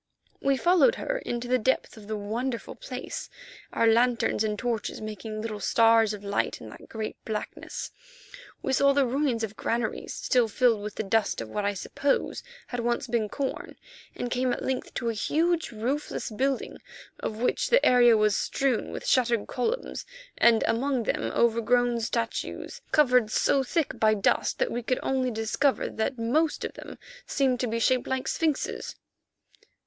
We followed her into the depth of the wonderful place, our lanterns and torches making little stars of light in that great blackness. We saw the ruins of granaries still filled with the dust of what I suppose had once been corn, and came at length to a huge, roofless building of which the area was strewn with shattered columns, and among them overgrown statues, covered so thick by dust that we could only discover that most of them seemed to be shaped like sphinxes.